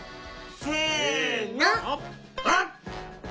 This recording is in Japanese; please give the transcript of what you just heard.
せのはっ！